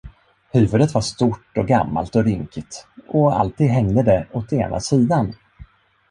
Huvudet var stort och gammalt och rynkigt, och alltid hängde det åt ena sidan.